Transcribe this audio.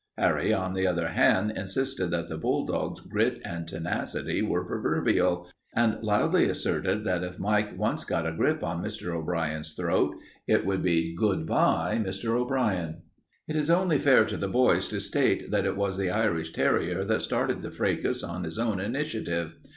Harry, on the other hand, insisted that the bulldog's grit and tenacity were proverbial, and loudly asserted that if Mike once got a grip on Mr. O'Brien's throat, it would be good by, Mr. O'Brien. It is only fair to the boys to state that it was the Irish terrier that started the fracas on his own initiative.